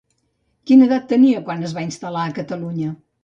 Quina edat tenia quan es va instal·lar a Catalunya?